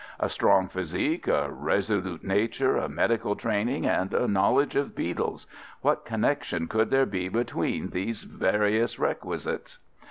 A strong physique, a resolute nature, a medical training, and a knowledge of beetles—what connection could there be between these various requisites?